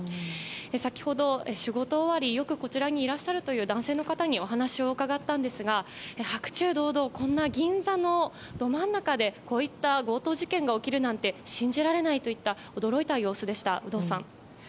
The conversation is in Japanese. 先ほど、仕事終わりよくこちらにいらっしゃるという男性の方にお話を伺ったんですが白昼堂々こんな銀座のど真ん中でこういった強盗事件が起きるなんて信じられないといった驚いた様子でした、有働さん。